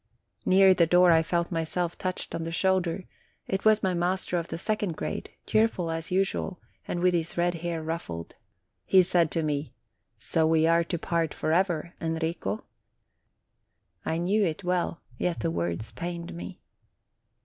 Near the door, I felt myself touched on the shoulder : it was my master of the second grade, cheerful, as usual, and with his red hair ruffled. He said to me: "So we are to part forever, Enrico?" I knew it well, yet the words pained me.